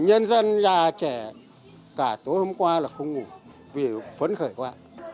nhân dân nhà trẻ cả tối hôm qua là không ngủ vì phấn khởi quá